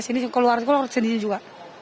sini keluar sendiri juga